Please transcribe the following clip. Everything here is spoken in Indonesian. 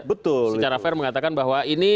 betul secara fair mengatakan bahwa ini